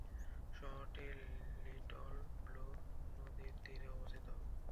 শহরটি Little Blue নদীর তীরে অবস্থিত।